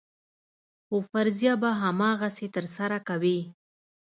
خو فریضه به هماغسې ترسره کوې.